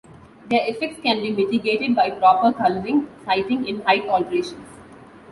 Their effects can be mitigated by proper coloring, sighting and height alterations.